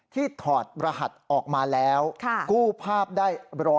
ถอดรหัสออกมาแล้วกู้ภาพได้๑๐๐